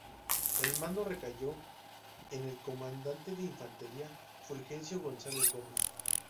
El mando recayó en el comandante de infantería Fulgencio González Gómez.